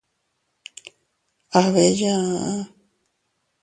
Aa bee yaa.